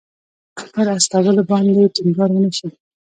پر استولو باندې ټینګار ونه شي.